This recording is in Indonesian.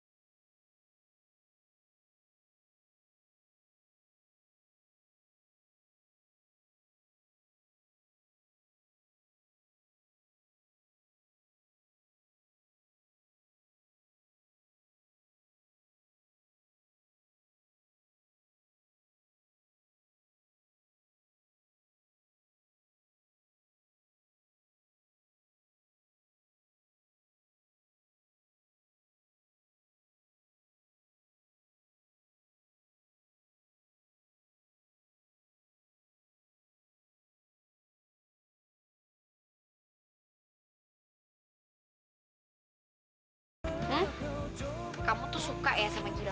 hei kamu tuh suka ya sama gila